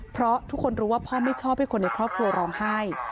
เพราะทุกคนรู้ว่าพ่อไม่ชอบให้คนในครอบครัวร้องไห้